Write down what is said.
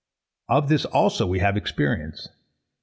Of this also we have experience.